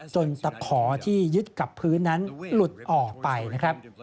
ตะขอที่ยึดกับพื้นนั้นหลุดออกไปนะครับ